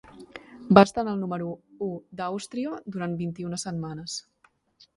Va estar en el número un d'Àustria durant vint-i-una setmanes.